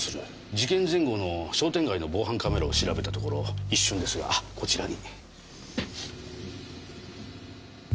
事件前後の商店街の防犯カメラを調べたところ一瞬ですがこちらに。